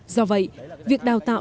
do vậy việc đào tạo